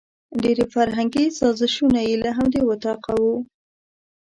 ډېري فرهنګي سازشونه یې له همدې وطاقه وو.